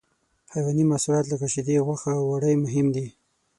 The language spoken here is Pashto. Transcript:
حیواني محصولات لکه شیدې، غوښه او وړۍ مهم دي.